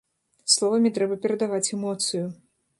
Словамі трэба перадаваць эмоцыю.